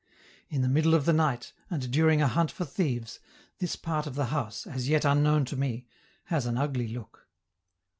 In the middle of the night, and during a hunt for thieves, this part of the house, as yet unknown to me, has an ugly look.